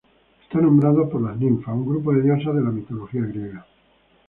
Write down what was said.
Está nombrado por las ninfas, un grupo de diosas de la mitología griega.